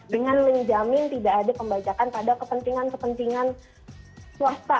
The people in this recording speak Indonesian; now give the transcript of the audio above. dengan menjamin tidak ada pembajakan pada kepentingan kepentingan swasta